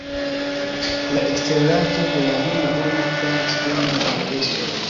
La eksteraĵo de la juna homo faris bonan impreson.